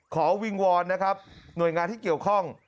วิงวอนนะครับหน่วยงานที่เกี่ยวข้อง